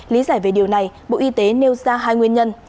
lý giải về điều này bộ y tế nêu ra hai nguyên nhân